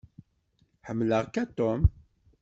Ḥemmleɣ-k a Tom.